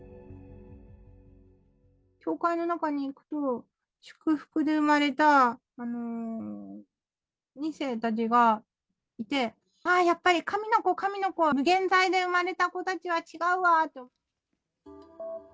教会の中に行くと、祝福で生まれた２世たちがいて、ああ、やっぱり神の子、神の子、無原罪で生まれた子たちは違うわって。